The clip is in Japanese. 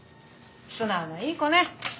素直ないい子ね。